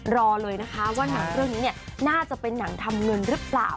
รอเลยนะคะว่าหนังเรื่องนี้น่าจะเป็นหนังทำเงินหรือเปล่า